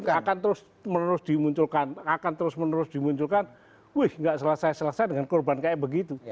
akan terus menerus dimunculkan akan terus menerus dimunculkan wih nggak selesai selesai dengan korban kayak begitu